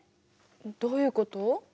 どういうこと？